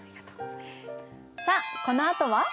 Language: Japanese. さあこのあとは？